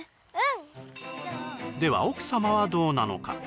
うんでは奥様はどうなのか？